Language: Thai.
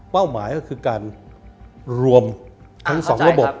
หมายก็คือการรวมทั้ง๒ระบบ